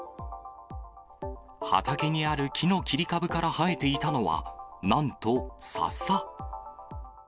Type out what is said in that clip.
畑にある木の切り株から生えていたのは、なんと、ササ。